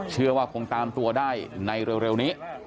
เชื่อว่าคงตามตัวได้ในเร็วนี้